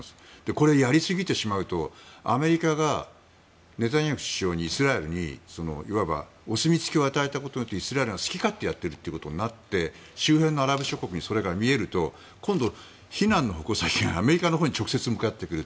これ、やりすぎてしまうとアメリカがネタニヤフ首相、イスラエルにいわばお墨付きを与えてイスラエルが好き勝手やっているということになって周辺のアラブ諸国にそれが見えると今度、非難の矛先がアメリカのほうに直接向かってくる。